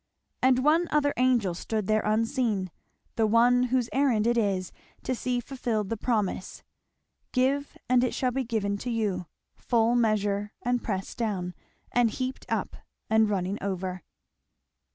And one other angel stood there unseen, the one whose errand it is to see fulfilled the promise, "Give and it shall be given to you; full measure, and pressed down, and heaped up, and running over."